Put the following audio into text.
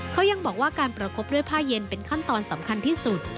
เขายังบอกว่าการประคบด้วยผ้าเย็นเป็นขั้นตอนสำคัญที่สุด